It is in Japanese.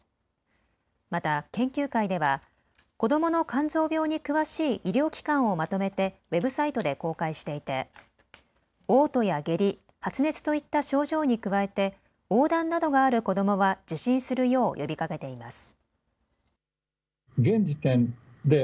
また研究会では子どもの肝臓病に詳しい医療機関をまとめてウェブサイトで公開していておう吐や下痢、発熱といった症状に加えておうだんなどがある子どもは受診するよう呼びかけています。